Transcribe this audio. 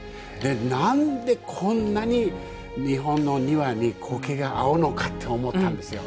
何でこんなに日本の庭に苔が合うのかと思ったんですよ。